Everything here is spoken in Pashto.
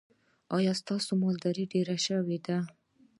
ایا ستاسو مالداري ډیره شوې ده؟